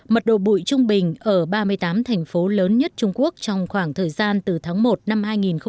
mật độ bụi trung bình ở ba mươi tám thành phố lớn nhất trung quốc trong khoảng thời gian từ tháng một năm hai nghìn một mươi chín